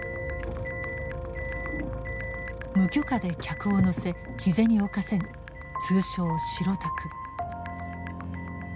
無許可で客を乗せ日銭を稼ぐ通称「白タク」。